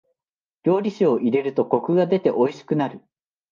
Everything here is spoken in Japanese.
料理酒を入れるとコクが出ておいしくなる。